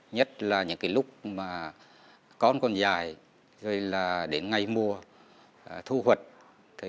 nhất là những cái lúc mà con còn dài rồi là đến ngày mùa thu hoạch